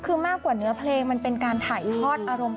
คือมากกว่าเนื้อเพลงมันเป็นการถ่ายพรอดอารมณ์ความรู้สึก